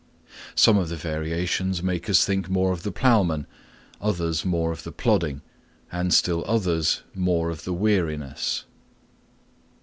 Some of the variations make us think more of the ploughman, others more of the plodding, and still others more of the weariness.